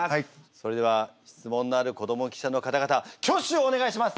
それでは質問のある子ども記者の方々挙手をお願いします！